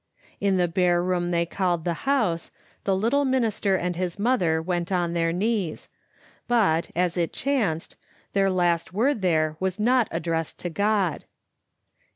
In the bare room they called the house, the little minister and his mother went on their knees, but, as it chanced, their last word there was not addressed to God.